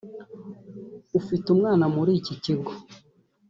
ufite umwana muri iki kigo